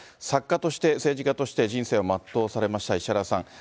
作家として、政治家として人生を全うされました石原さん。